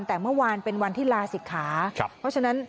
แต่เมื่อวานเป็นวันที่ลาศิกขาครับเพราะฉะนั้น